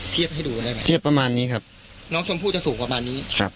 ให้ดูได้ไหมเทียบประมาณนี้ครับน้องชมพู่จะสูงประมาณนี้ครับ